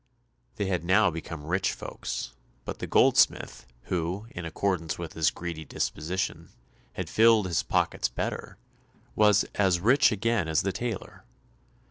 They had now become rich folks, but the goldsmith, who, in accordance with his greedy disposition, had filled his pockets better, was as rich again as the tailor.